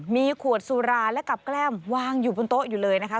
มีขวดสุราและกับแกล้มวางอยู่บนโต๊ะอยู่เลยนะคะ